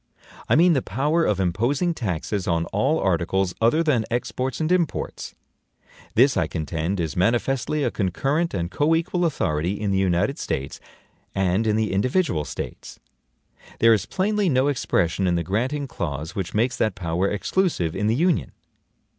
I mean the power of imposing taxes on all articles other than exports and imports. This, I contend, is manifestly a concurrent and coequal authority in the United States and in the individual States. There is plainly no expression in the granting clause which makes that power EXCLUSIVE in the Union.